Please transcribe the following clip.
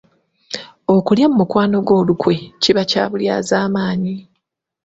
Okulya mu mukwano gwo olukwe kiba kya bulyazaamaanyi